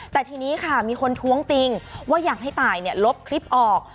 แต่ทีนี้ค่ะมีคนท้วงติงว่าอยากให้ตายลบคลิปออก